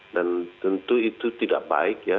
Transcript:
dan tentu itu tidak baik ya